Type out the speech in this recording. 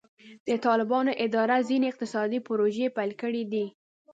د طالبانو اداره ځینې اقتصادي پروژې پیل کړي دي.